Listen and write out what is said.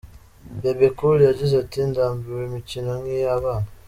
Bebe Cool yagize ati "Ndambiwe imikino nk’iy’abana.